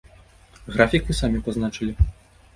Графік вы самі пазначылі.